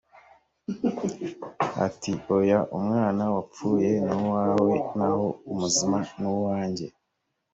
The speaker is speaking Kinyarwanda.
ati oya umwana wapfuye ni uwawe naho umuzima ni uwanjye